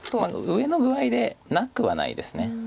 上の具合でなくはないです。